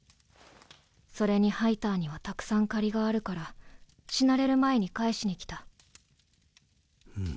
それにハイターにはたくさん借りがあるから死なれる前に返しに来た。